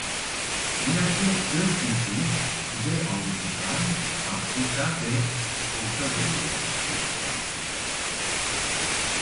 Genelde göç mevsimi Kuzey Avrupa'dan Afrika ve Orta Doğu'ya göç ederler.